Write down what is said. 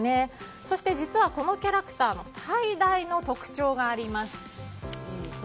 そして、実はこのキャラクターの最大の特徴があります。